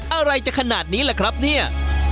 อะไรจะขนาดนี้ล่ะครับเนี่ย